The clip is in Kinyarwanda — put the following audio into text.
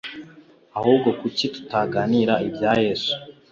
Ahubwo kuki tutaganira ibya Yesu?